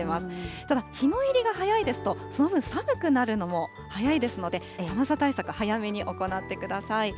ただ日の入りが早いですと、その分、寒くなるのも早いですので、寒さ対策、早めに行ってください。